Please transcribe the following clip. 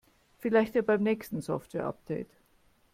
Vielleicht ja beim nächsten Softwareupdate.